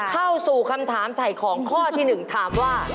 เข้าสู่คำถามถ่ายของข้อที่๑ถามว่า